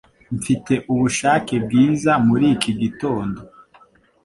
Mfite ubushake bwiza muri iki gitondo.